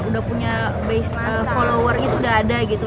udah punya base follower itu udah ada gitu